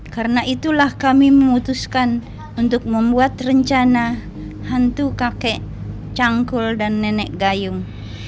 karena itulah kami memutuskan untuk membuat rencana hantu kakek cangkul dan nenek gayung